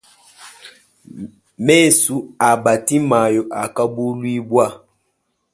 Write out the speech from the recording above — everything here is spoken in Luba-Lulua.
Mesu a batimayo akabuluibua.